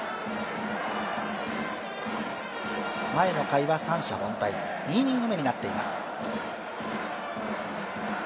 前の回は三者凡退、２イニング目になっています。